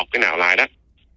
cái nào là đắt